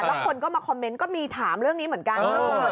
แล้วคนก็มาคอมเมนต์ก็มีถามเรื่องนี้เหมือนกัน